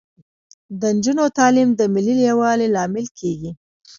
د نجونو تعلیم د ملي یووالي لامل کیږي.